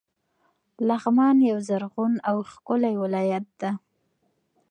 لغمان یو زرغون او ښکلی ولایت ده.